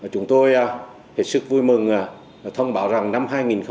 chúng tôi hết sức vui mừng thông báo rằng năm hai nghìn hai mươi